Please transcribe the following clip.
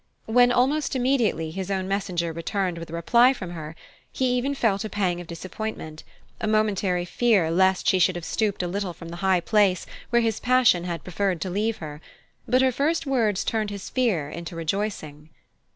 When, almost immediately, his own messenger returned with a reply from her, he even felt a pang of disappointment, a momentary fear lest she should have stooped a little from the high place where his passion had preferred to leave her; but her first words turned his fear into rejoicing.